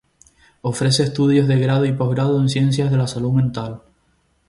Ofrece estudios de grado y posgrado en ciencias de la salud mental.